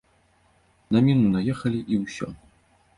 На міну наехалі, і ўсё.